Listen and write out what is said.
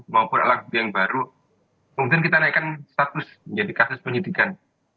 maupun alat bukti yang baru kemudian kita naikkan status menjadi kasus penyidikan